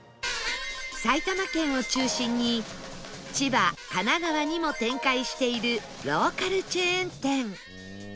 埼玉県を中心に千葉神奈川にも展開しているローカルチェーン店